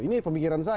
ini pemikiran saya